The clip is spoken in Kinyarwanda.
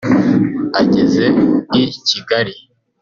Ageze i Kigali